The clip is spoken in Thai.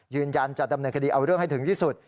ยืนยันจะดำเนินคดีเอาเรื่องให้ถึงที่สุด